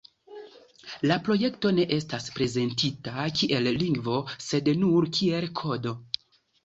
La projekto ne estas prezentita kiel lingvo, sed nur kiel "kodo".